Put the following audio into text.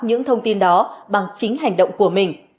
những thông tin đó bằng chính hành động của mình